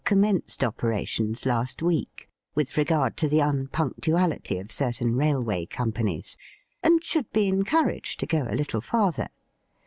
commenced operations last week with regard to the unpunctuality of certain railway companies, and should be encouraged to go a little farther.